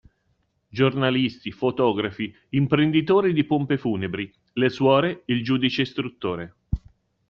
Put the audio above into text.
Giornalisti, fotografi, imprenditori di pompe funebri, le suore, il giudice istruttore.